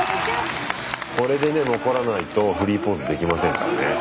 これでね残らないとフリーポーズできませんからね。